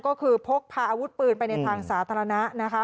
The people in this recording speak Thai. ก็คือพกพาอาวุธปืนไปในทางสาธารณะนะคะ